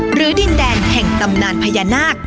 ดินแดนแห่งตำนานพญานาค